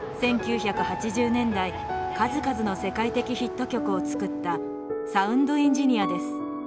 １９８０年代数々の世界的ヒット曲を作ったサウンドエンジニアです。